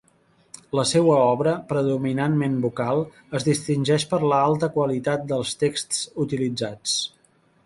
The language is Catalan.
La seua obra, predominantment vocal, es distingeix per l'alta qualitat dels texts utilitzats.